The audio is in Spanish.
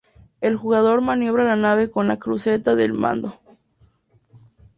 El jugador maniobra la nave con la cruceta del mando.